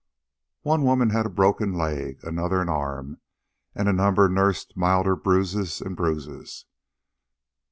One woman had broken a leg, another an arm, and a number nursed milder bruises and bruises.